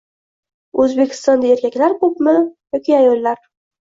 O‘zbekistonda erkaklar ko‘pmi yoki ayollar?